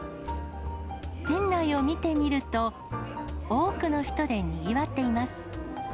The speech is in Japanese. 店内を見てみると、多くの人でにぎわっています。